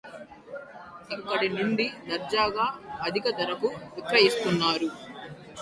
ఇక్కడి నుండి దర్జాగా అధిక ధరకు విక్రయిస్తున్నారు